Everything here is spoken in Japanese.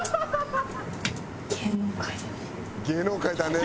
「芸能界だね」